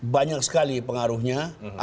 banyak sekali pengaruhnya